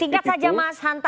singkat saja mas hanta